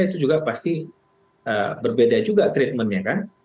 itu juga pasti berbeda juga treatmentnya kan